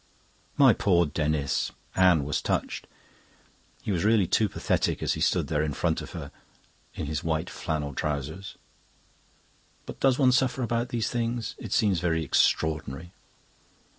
"My poor Denis!" Anne was touched. He was really too pathetic as he stood there in front of her in his white flannel trousers. "But does one suffer about these things? It seems very extraordinary."